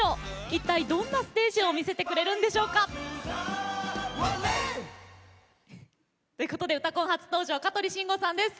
一体、どんなステージを見せてくれるんでしょうか。ということで「うたコン」初登場香取慎吾さんです。